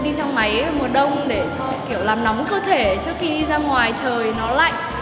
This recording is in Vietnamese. đi thang máy mùa đông để cho kiểu làm nóng cơ thể trước khi ra ngoài trời nó lạnh